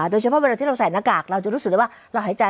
เวลาที่เราใส่หน้ากากเราจะรู้สึกเลยว่าเราหายใจ